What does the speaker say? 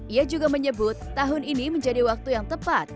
ia juga menyebut tahun ini menjadi waktu yang tepat